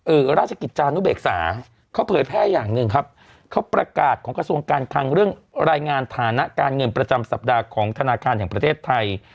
ราชกิจจานุเบกษาเขาเผยแพร่อย่างหนึ่งครับเขาประกาศของกระทรวงการคังเรื่องรายงานฐานะการเงินประจำสัปดาห์ของธนาคารแห่งประเทศไทย